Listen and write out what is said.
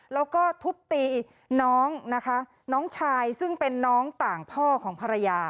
แล้วก็ทุบตีน้องนะคะน้องชายซึ่งเป็นน้องต่างพ่อของภรรยา